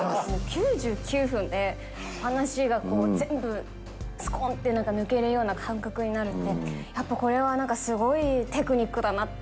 ９９分で、話が全部、すこーんって抜けるような感覚になるって、やっぱりこれはすごいテクニックだなって。